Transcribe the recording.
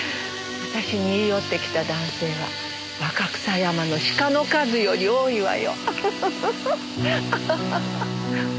私に言い寄ってきた男性は若草山の鹿の数より多いわよ。